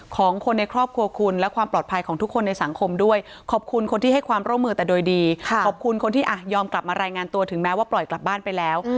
ของคนในครอบครัวคุณและความปลอดภัยของทุกคนในสังคมด้วยขอบคุณคนที่ให้ความร่วมมือแต่โดยดีขอบคุณคนที่ยอมกลับมารายงานตัวถึงแม้ว่าปล่อยกลับบ้านไปแล้ว